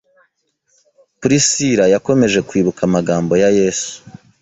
Priscilla yakomeje kwibuka amagambo ya Yesu